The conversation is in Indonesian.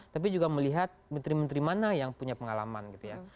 tapi juga melihat menteri menteri mana yang punya pengalaman gitu ya